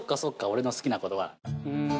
俺の好きな言葉だ